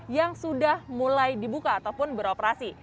yang sudah mulai dibuka ataupun beroperasi